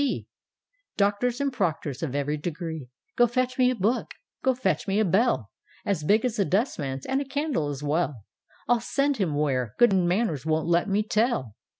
D., Doctors and Proctors of every degree I Go fetch me a book, go fetch me a bell As big as a dustman's! — and a candle as well — I'll send him where — good manners won't let me tell!